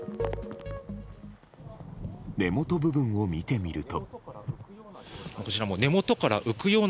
根元部分を見てみると。